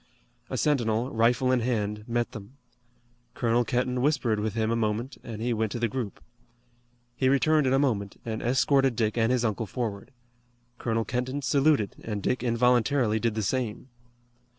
A sentinel, rifle in hand, met them. Colonel Kenton whispered with him a moment, and he went to the group. He returned in a moment and escorted Dick and his uncle forward. Colonel Kenton saluted and Dick involuntarily did the same.